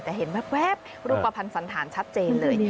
แต่เห็นแว๊บรูปภัณฑ์สันธารชัดเจนเลย